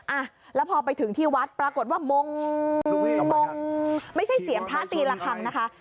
อ่ะแล้วพอไปถึงที่วัดปรากฏว่ามงมงไม่ใช่เสียงพระตีละครั้งนะคะ